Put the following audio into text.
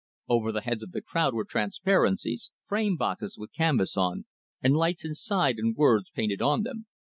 Over the heads of the crowd were transparencies, frame boxes with canvas on, and lights inside, and words painted on them.